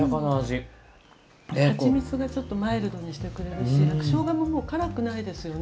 はちみつがちょっとマイルドにしてくれるししょうがももう辛くないですよね。